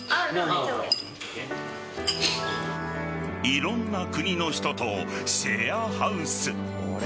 いろんな国の人とシェアハウス。